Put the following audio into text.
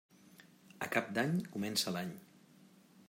A Cap d'Any comença l'any.